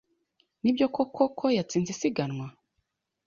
Nibyo koko ko yatsinze isiganwa?